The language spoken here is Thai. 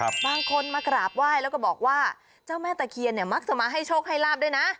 บางคนมากราบไหว้แล้วก็บอกว่าเจ้าแม่ตะเคียนเนี่ยมักจะมาให้โชคให้ลาบด้วยนะ